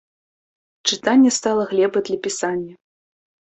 Чытанне стала глебай для пісання.